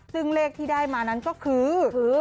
ซึ่งเลขที่ได้มานั้นก็คือ